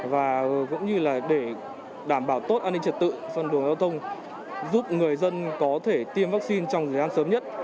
và cũng như là để đảm bảo tốt an ninh trật tự phân luồng giao thông giúp người dân có thể tiêm vaccine trong thời gian sớm nhất